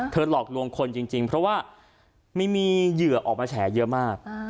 เธอหลอกลวงคนจริงจริงเพราะว่าไม่มีเหยื่อออกมาแฉอเยอะมากอ่า